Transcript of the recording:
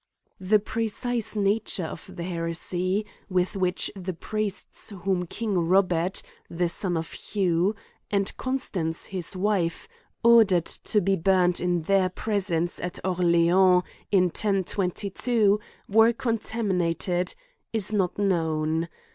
The precise nature of the heresy, with which the priests whom king Robert (the son of Hugh,) and Constance his wife ordered to be burned in their presence at Orleans, in 1022, were con taminated, is not known.